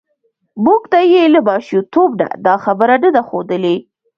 موږ ته یې له ماشومتوب نه دا خبره نه ده ښودلې